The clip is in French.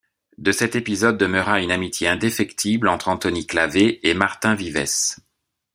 De cet épisode demeurera une amitié indéfectible entre Antoni Clavé et Martin Vivès.